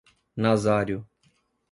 Nazário